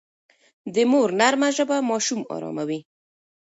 د مور نرمه ژبه ماشوم اراموي.